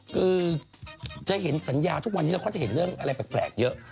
คือจะเห็นสัญญาทุกวันนี้เราก็จะเห็นเรื่องอะไรแปลกเยอะ